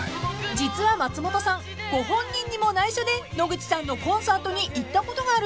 ［実は松本さんご本人にも内緒で野口さんのコンサートに行ったことがあるそうです］